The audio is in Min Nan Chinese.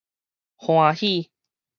歡喜